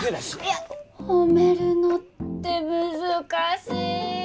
褒めるのって難しい。